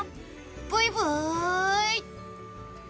ブイブイ！